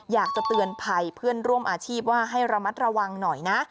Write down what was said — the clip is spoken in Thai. อยากจะเตือนภัยเพื่อนร่วมอาชีพว่าให้ระมัดระวังหน่อยนะ